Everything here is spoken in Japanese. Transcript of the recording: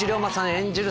演じる